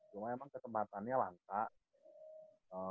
cuma emang kekembangannya lantai